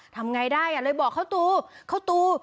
ทำไงได้อ่ะเลยบอกเขาตู